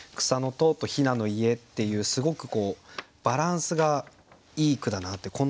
「草の戸」と「ひなの家」っていうすごくバランスがいい句だなって。